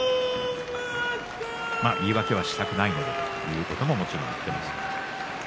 言い訳はしたくないのでということも言っています。